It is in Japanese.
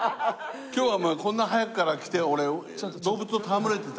今日はこんな早くから来て俺動物と戯れてたんだから。